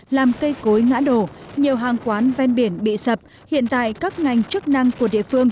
làm cây cối ngã đổ nhiều hàng quán ven biển bị sập hiện tại các ngành chức năng của địa phương